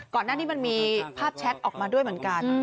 ก่อนหน้านี้มันมีภาพแชทออกมาด้วยเหมือนกัน